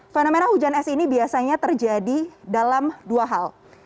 fenomena hujan es ini biasanya terjadi dalam dua hal